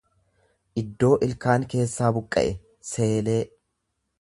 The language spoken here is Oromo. iddoo ilkaan keessaa buqqa'e, seelee.